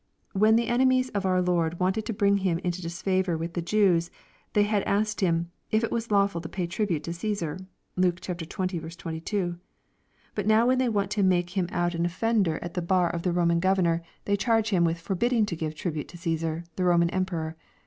When the enemies of our Lord wanted to bring Him into disfavor with the Jews, they had asked Him "if it was lawful to pay tribute unto Caesar.' (Luke XX. 22.) But now when they want to make Him out aa LUKE^ CHAP. XXIII. 453 offender at the bar of the Romai: governor, they charge Him with forbidding to give tribute to Caesar the Roman emperor.